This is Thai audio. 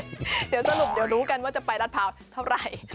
เดี๋ยวสรุปเดี๋ยวรู้กันว่าจะไปรัดพร้าวเท่าไหร่